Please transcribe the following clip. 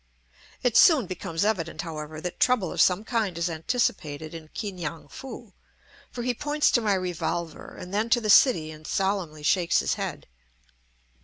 It soon becomes evident, however, that trouble of some kind is anticipated in Ki ngan foo, for he points to my revolver and then to the city and solemnly shakes his head.